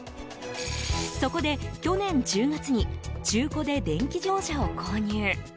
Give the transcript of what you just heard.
そこで去年１０月に中古で電気自動車を購入。